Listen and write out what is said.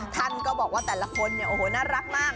ท่านก็บอกว่าแต่ละคนเนี่ยโอ้โหน่ารักมาก